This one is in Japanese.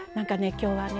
今日はね